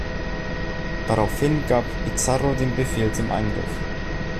Daraufhin gab Pizarro den Befehl zum Angriff.